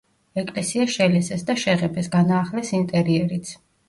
ეკლესია შელესეს და შეღებეს, განაახლეს ინტერიერიც.